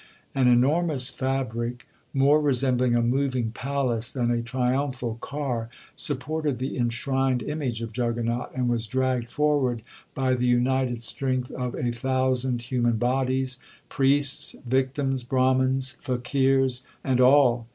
An enormous fabric, more resembling a moving palace than a triumphal car, supported the inshrined image of Juggernaut, and was dragged forward by the united strength of a thousand human bodies, priests, victims, brahmins, faqueers and all.